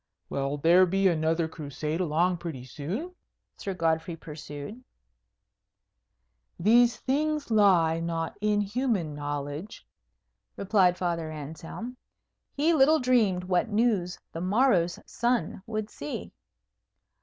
"Will there be another Crusade along pretty soon?" Sir Godfrey pursued. "These things lie not in human knowledge," replied Father Anselm. He little dreamed what news the morrow's sun would see.